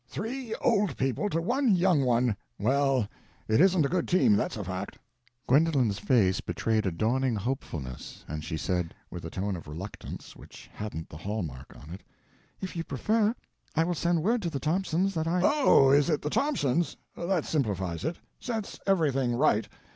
"Three old people to one young one—well, it isn't a good team, that's a fact." Gwendolen's face betrayed a dawning hopefulness and she said—with a tone of reluctance which hadn't the hall mark on it— "If you prefer, I will send word to the Thompsons that I—" "Oh, is it the Thompsons? That simplifies it—sets everything right.